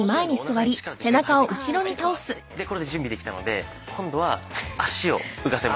これで準備できたので今度は足を浮かせます。